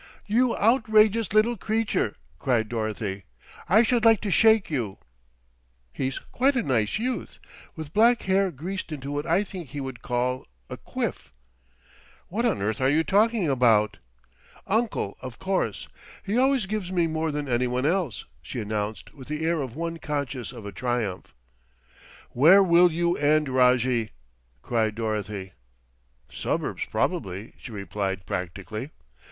"You outrageous little creature!" cried Dorothy. "I should like to shake you." "He's quite a nice youth, with black hair greased into what I think he would call a 'quiff.'" "What on earth are you talking about?" "Uncle, of course. He always gives me more than anyone else," she announced with the air of one conscious of a triumph. "Where will you end, Rojjie?" cried Dorothy. "Suburbs probably," she replied practically.